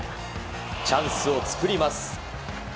チャンスを作ります。